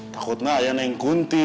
takutnya yang ini yang kunti